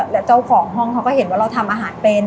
แล้วเจ้าของห้องเขาก็เห็นว่าเราทำอาหารเป็น